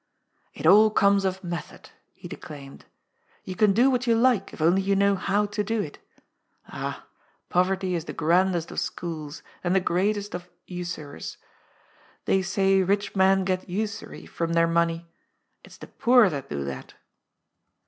" It all comes of method," he declaimed. " You can do what you like if only you know how to do it Ah, poverty is the grandest of schools, and the greatest of usurers. They say rich men get usury from their money. It's the poor that do that."